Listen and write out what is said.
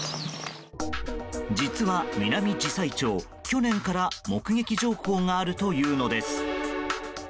実はミナミジサイチョウ去年から目撃情報があるというのです。